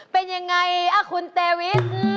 เป็นอย่างไรอ่ะคุณเตวิส